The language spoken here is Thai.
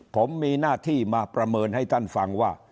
ผมมีหน้าที่มาประเมินให้ท่านฟังว่า